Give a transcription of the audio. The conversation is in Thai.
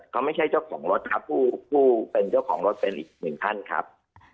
เขาไม่ใช่เจ้าของรถครับผู้เป็นเจ้าของรถเป็นอีกหนึ่งท่านครับ